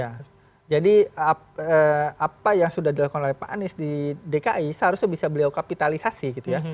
ya jadi apa yang sudah dilakukan oleh pak anies di dki seharusnya bisa beliau kapitalisasi gitu ya